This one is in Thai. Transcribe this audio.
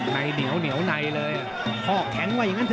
ไหนเหนียวในเลยคอกแข็งไว้ยังงั้นเถอะ